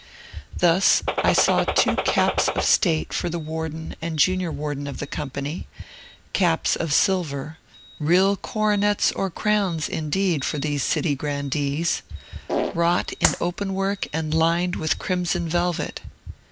Thus, I saw two caps of state for the warden and junior warden of the company, caps of silver (real coronets or crowns, indeed, for these city grandees) wrought in open work and lined with crimson velvet.